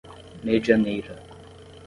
Medianeira